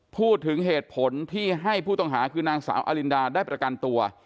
พูดถึงเหตุผลที่ให้ผู้ต้องหาคือนางสาวอลินดาได้ประกันตัว